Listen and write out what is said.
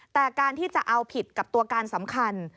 แต่การที่จะเอาผิดกับตัวการสำคัญ